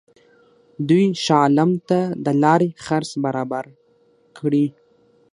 دوی شاه عالم ته د لارې خرڅ برابر کړي.